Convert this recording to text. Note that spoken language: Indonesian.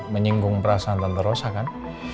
menyinggung perasaan tante rosa kan